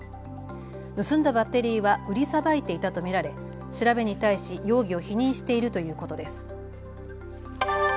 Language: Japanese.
盗んだバッテリーは売りさばいていたと見られ調べに対し容疑を否認しているということです。